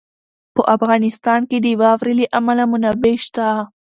په افغانستان کې د واورو له امله منابع شته.